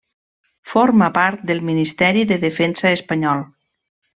Forma part del Ministeri de Defensa Espanyol.